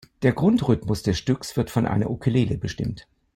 Der Grundrhythmus des Stücks wird von einer Ukulele bestimmt.